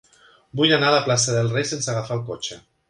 Vull anar a la plaça del Rei sense agafar el cotxe.